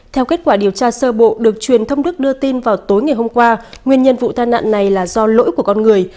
theo kết quả điều tra sơ bộ được truyền thông đức đưa tin vào tối ngày hôm qua nguyên nhân vụ tai nạn này là do lỗi của con người